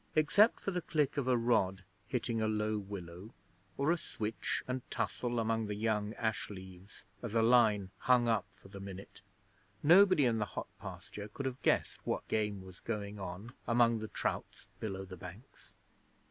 Except for the click of a rod hitting a low willow, or a switch and tussle among the young ash leaves as a line hung up for the minute, nobody in the hot pasture could have guessed what game was going on among the trouts below the banks.